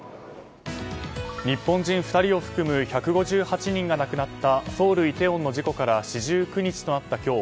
日本人２人を含む１５８人が亡くなったソウル・イテウォンの事故から四十九日となった今日